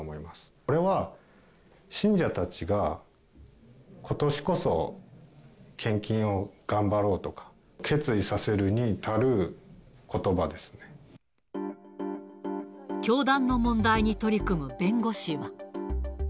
これは信者たちがことしこそ献金を頑張ろうとか、決意させるに足教団の問題に取り組む弁護士は。